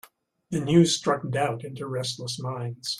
The news struck doubt into restless minds.